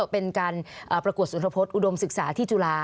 เป็นการประกวดสุรพฤษอุดมศึกษาที่จุฬา